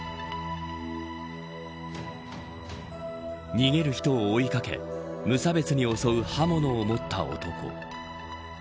逃げる人を追いかけ無差別に襲う刃物を持った男。